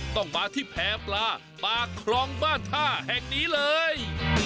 ต้องมาที่แพร่ปลาปากคลองบ้านท่าแห่งนี้เลย